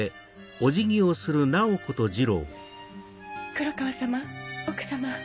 黒川様奥様。